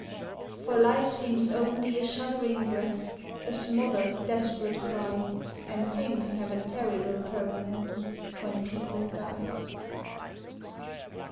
For life seems only a shuddering breath, A smothered, desperate cry, And things have a terrible permanence When people die.